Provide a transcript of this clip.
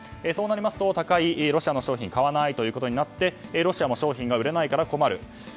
そうなりますと高いロシアの商品は買わないということになってロシアの商品が売れないから困る。